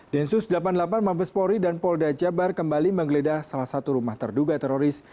densus delapan puluh delapan mabespori dan polda jabar kembali menggeledah salah satu rumah terduga teroris